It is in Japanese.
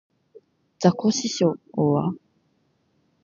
ザコシショウは